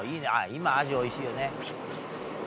今アジおいしいよね。